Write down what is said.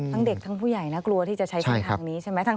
ทั้งเด็กทั้งผู้ใหญ่น่ากลัวที่จะใช้เส้นทางนี้ใช่ไหม